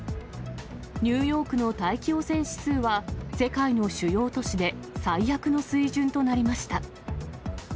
ニューヨークの大気汚染指数は、世界の主要都市で最悪の水準となりました。